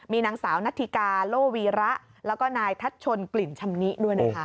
มีนางสาวนัทธิกาโลวีระแล้วก็นายทัชชนกลิ่นชำนิด้วยนะคะ